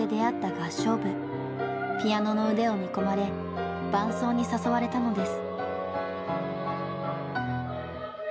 ピアノの腕を見込まれ伴奏に誘われたのです。